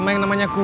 rasik papa kamu